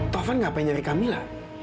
taufan gak pengen nyari kamila